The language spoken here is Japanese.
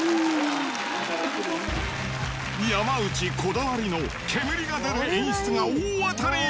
山内こだわりの煙が出る演出が大当たり。